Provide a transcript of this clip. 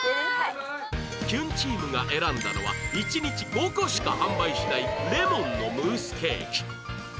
キュンチームが選んだのは１日５個しか販売しないレモンのムースケーキ